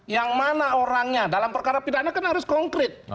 yang mana orangnya dalam perkara pidana kan harus konkret